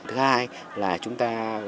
thứ hai là chúng ta